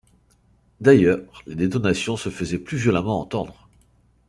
D’ailleurs les détonations se faisaient plus violemment entendre.